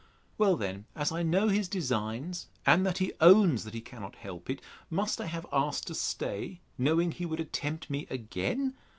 Well then, as I know his designs, and that he owns he cannot help it; must I have asked to stay, knowing he would attempt me again?